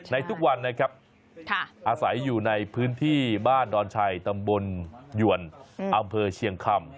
ในทุกวันนะครับอาศัยอยู่ในพื้นที่บ้านดชตำบลหยวนอเชียงค่ำ